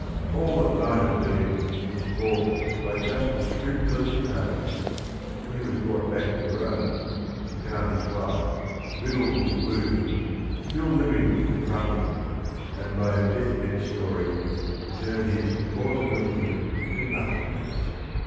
All that might have been was "baulked by just a scrupulous knave." When he was brought back to Rome, he found his wife, rid 184 THE RING AND THE BOOK died with wounds, still living to confront him, and by her death bed story to turn his "plausi bility to nothingness."